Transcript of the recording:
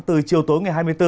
từ chiều tối ngày hai mươi bốn